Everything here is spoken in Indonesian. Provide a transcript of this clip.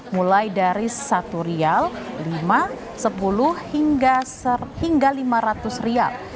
mulai dari rp satu rp lima rp sepuluh hingga rp lima ratus